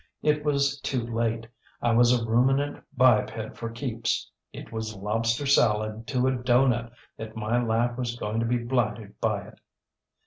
It was too late. I was a ruminant biped for keeps. It was lobster salad to a doughnut that my life was going to be blighted by it.